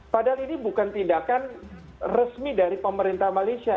padahal ini bukan tindakan resmi dari pemerintah malaysia